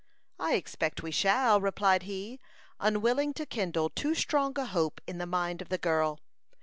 "I expect we shall," replied he, unwilling to kindle too strong a hope in the mind of the girl.